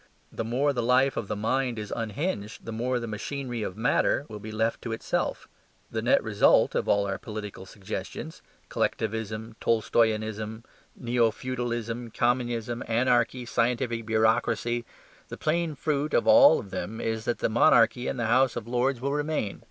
The more the life of the mind is unhinged, the more the machinery of matter will be left to itself. The net result of all our political suggestions, Collectivism, Tolstoyanism, Neo Feudalism, Communism, Anarchy, Scientific Bureaucracy the plain fruit of all of them is that the Monarchy and the House of Lords will remain.